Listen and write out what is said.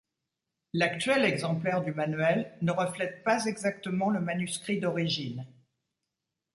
L'actuel exemplaire du Manuel ne reflète pas exactement le manuscrit d'origine.